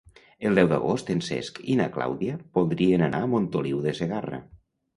El deu d'agost en Cesc i na Clàudia voldrien anar a Montoliu de Segarra.